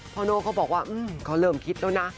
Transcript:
โน่เขาบอกว่าเขาเริ่มคิดแล้วนะ